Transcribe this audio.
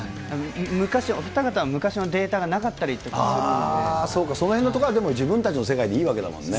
昔、お二方、昔のデータがなそうか、そのへんのところは自分たちの世界でいいわけだもんね。